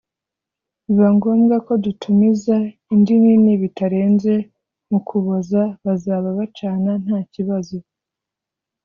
biba ngombwa ko dutumiza indi nini bitarenze mu Kuboza bazaba bacana nta kibazo